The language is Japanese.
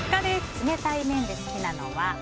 冷たい麺で好きなのは。